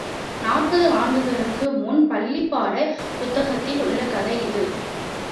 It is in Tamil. நாற்பது ஆண்டுகட்குமுன் பள்ளிப்பாடப் புத்தகத்தில் உள்ள கதை இது.